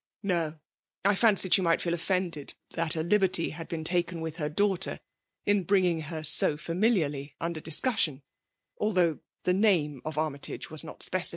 *' ''No: I fancied she mig^t feel olfended that a liberty had been taken with her daughter; in bringing her so familiady under discussion (although the name of Armytage was not specir.